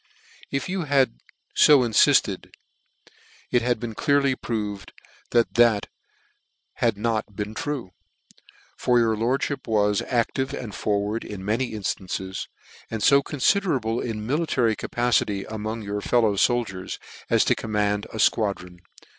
fc If you had fo infilled, it has been clearly proved that that had not been true ; for your lordfnip was active and forward in many inflances, and fo con fiderable in military capacity among your fellow foldiers, as to command a fquadron.